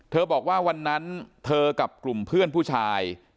บอกว่าวันนั้นเธอกับกลุ่มเพื่อนผู้ชาย